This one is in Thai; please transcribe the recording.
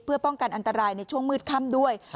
เพื่อป้องกันอันตรายในช่วงมืดค่ำด้วย